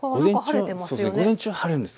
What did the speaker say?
午前中は晴れるんです。